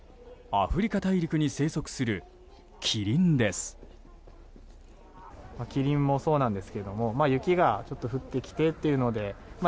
アフリカ大陸に生息するキリンです。